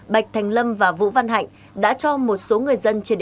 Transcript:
bạch thành lâm và vũ văn hạnh đã cho một số người dân